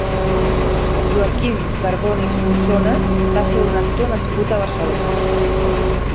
Joaquim Cardona i Solsona va ser un actor nascut a Barcelona.